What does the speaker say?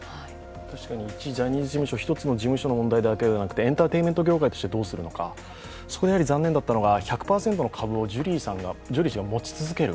確かにいちジャニーズ事務所だけの問題だけではなくてエンターテインメント界としてどうするのか、残念だったのが、１００％の株をジュリーさんが持ち続ける。